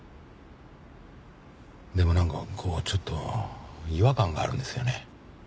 でもなんかこうちょっと違和感があるんですよね。